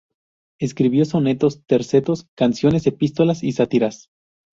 Escribió sonetos, tercetos, canciones, epístolas y sátiras.